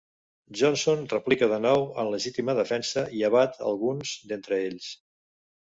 Johnson replica de nou en legítima defensa i abat alguns d'entre ells.